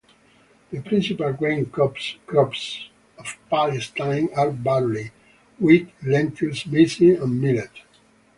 The principal grain crops of Palestine are barley, wheat, lentils, maize, and millet.